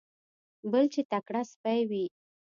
بل چې تکړه سپی وي.